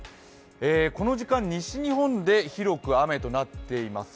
この時間、西日本で広く雨となっています。